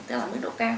tức là mức độ cao